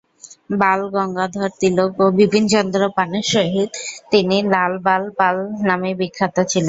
বাল গঙ্গাধর তিলক ও বিপিন চন্দ্র পালের সহিত তিনি লাল-বাল-পাল নামেই বিখ্যাত ছিলেন।